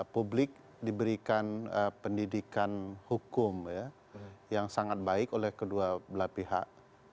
publik diberikan pendidikan hukum yang sangat baik oleh kedua belah pihak